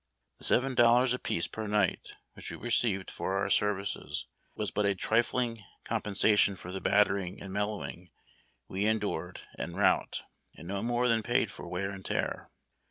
The seven dollars apiece per night which we received for our services was but a trifling compen sation for the battering and mellowing we endured en route, and no more than paid for wear and tear.